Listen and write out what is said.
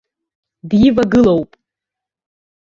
Дивагылоуп.